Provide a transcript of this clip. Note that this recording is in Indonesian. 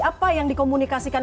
apa yang dikomunikasikan